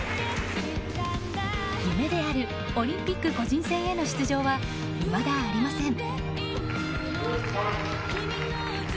夢であるオリンピック個人戦への出場はいまだありません。